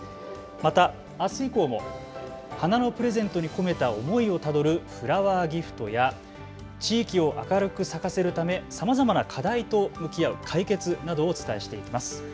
また、あす以降も花のプレゼントに込めた思いをたどるフラワーギフトや地域を明るく咲かせるためさまざまな課題と向き合うカイケツなどをお伝えしていきます。